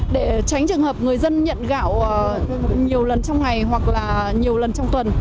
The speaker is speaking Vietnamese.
để tránh trường hợp người dân nhận gạo nhiều lần trong ngày hoặc là nhiều lần trong tuần